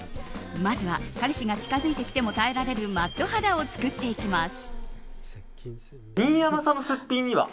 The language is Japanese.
まずは、彼氏が近づいてきても耐えられるマット肌を作っていきます。